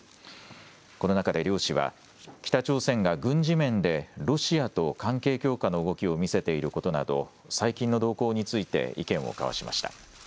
この中で両氏は北朝鮮が軍事面でロシアと関係強化の動きを見せていることなど最近の動向について意見を交わしました。